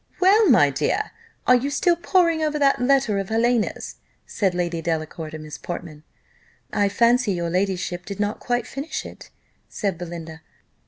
"Well, my dear, are you still poring over that letter of Helena's?" said Lady Delacour to Miss Portman. "I fancy your ladyship did not quite finish it," said Belinda.